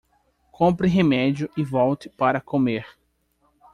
Compre remédio e volte para comer